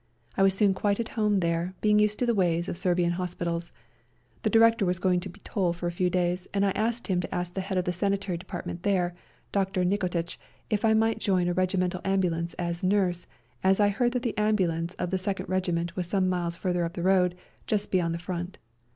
I was soon quite at home there, being used to the ways of Serbian hospi tals. The Director was going to Bitol for a few days, and I asked him to ask the head of the Sanitary Department there, Dr. Nikotitch, if I might join a regimental ambulance as nurse, as I heard that the ambulance of the Second Regiment was some miles farther up the road, just behind the Front.